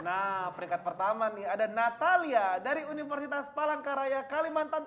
nah peringkat pertama nih ada natalia dari universitas palangka raya kalimantan tengah